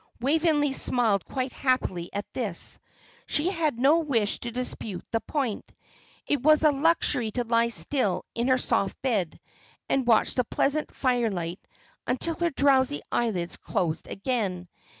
Waveney smiled quite happily at this. She had no wish to dispute the point. It was a luxury to lie still in her soft bed and watch the pleasant firelight until her drowsy eyelids closed again.